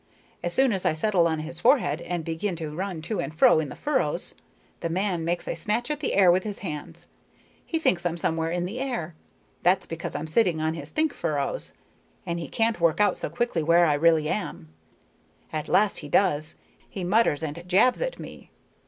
As soon as I settle on his forehead and begin to run to and fro in the furrows, the man makes a snatch in the air with his hands. He thinks I'm somewhere in the air. That's because I'm sitting on his think furrows, and he can't work out so quickly where I really am. At last he does. He mutters and jabs at me.